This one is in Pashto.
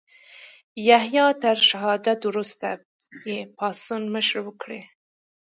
یحیی تر شهادت وروسته یې پاڅون مشري وکړه.